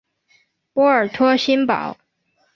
波尔托新堡。